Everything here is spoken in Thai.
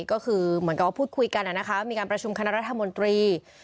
ก็คือเหมือนกับว่าพูดคุยกันนะคะมีการประชุมคณะรัฐมนตรี